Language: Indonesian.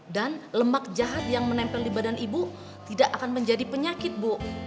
dan lemak jahat yang menempel di badan ibu tidak akan menjadi penyakit bu